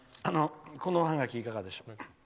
このおハガキ、いかがでしょう。